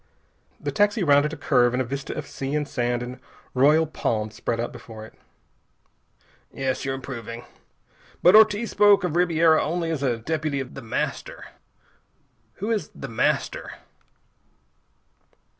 The taxi rounded a curve and a vista of sea and sand and royal palms spread out before it. "Yes, you're improving. But Ortiz spoke of Ribiera only as a deputy of The Master. Who is The Master?"